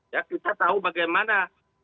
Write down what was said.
ya kita tahu bagaimana